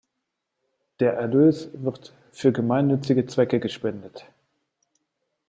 Der Erlös wird für gemeinnützige Zwecke gespendet.